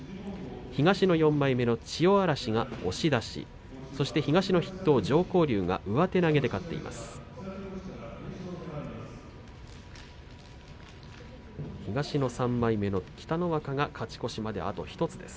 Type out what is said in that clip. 東の４枚目の千代嵐、押し出しそして東の筆頭常幸龍が上手投げで勝っています。